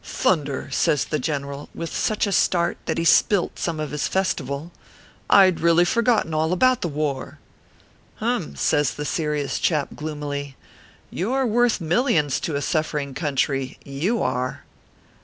" Thunder !" says the general, with such a start that he spilt some of his Festival, " I d really forgotten all about the war !"" Hum !" says the serious chap, gloomily, " you re worth millions to a suffering country you are."